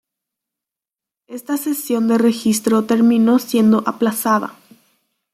Esta sesión de registro terminó siendo aplazada.